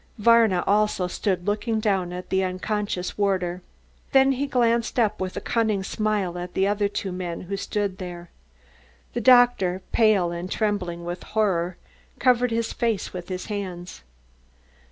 Varna also stood looking down at the unconscious warder. Then he glanced up with a cunning smile at the other two men who stood there. The doctor, pale and trembling with horror, covered his face with his hands.